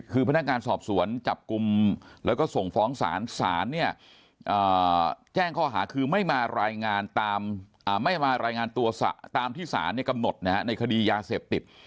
คือพนักงานสอบสวนจับกลุ่มแล้วก็ส่งฟ้องศาลศาลเนี่ยแจ้งข้อหาคือไม่มารายงานตามไม่มารายงานตัวตามที่ศาลกำหนดในคดียาเสพติด